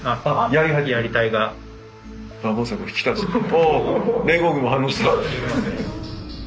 お連合軍も反応した。